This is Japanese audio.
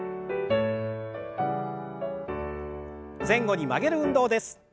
前後に曲げる運動です。